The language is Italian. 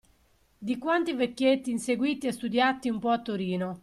Di quanti vecchietti inseguiti e studiati un po' a Torino.